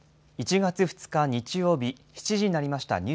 １月２日日曜日７時になりました。